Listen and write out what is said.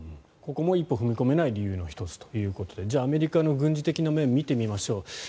ここも一歩踏み込めない理由の１つということでじゃあ、アメリカの軍事的な面を見てみましょう。